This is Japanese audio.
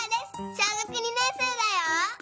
小学２年生だよ。